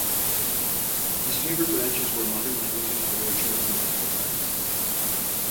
His favourite branches were modern languages, literature, and the natural sciences.